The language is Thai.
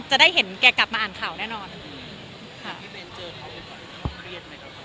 จะได้เห็นแกกลับมาอ่านข่าวแน่นอนอืมค่ะที่เบนเจอเขาอีกกว่าเขาเครียดไหมกับเขา